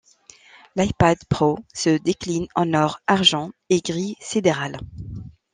L'iPad Pro se décline en or, argent et gris sidéral.